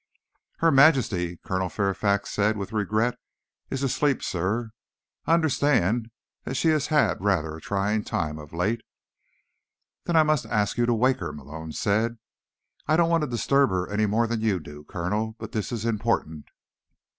"Her Majesty," Colonel Fairfax said with regret, "is asleep, sir. I understand that she has had rather a trying time, of late." "Then I must ask you to wake her," Malone said. "I don't want to disturb her any more than you do, Colonel, but this is important."